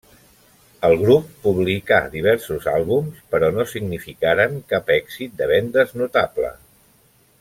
El grup publicà diversos àlbums però no significaren cap èxit de vendes notable.